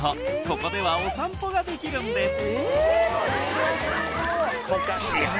ここではお散歩ができるんです